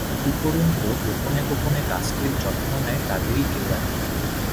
উপরন্তু, গোপনে গোপনে গাছটির যত্ন নেয় তাদেরই কেউ এক জন।